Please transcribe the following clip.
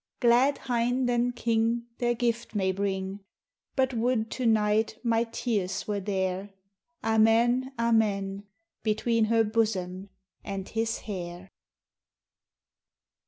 Glad Hinde and King Their Gyfte may bring, But wo'd to night my Teares were there, Amen, Amen: Between her Bosom and His hayre !